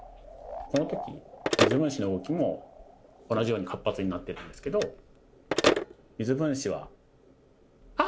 この時水分子の動きも同じように活発になってるんですけど水分子はあら！